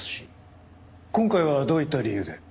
今回はどういった理由で？